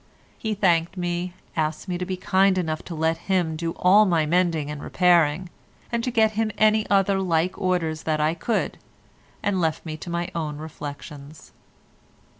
He thanked me, asked me to be kind enough to let him do all my mending and repairing, and to get him any other like orders that I could, and left me to my own reflections.